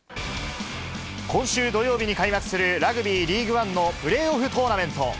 今週土曜日に開幕するラグビーリーグワンのプレーオフトーナメント。